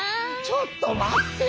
ちょっと待って！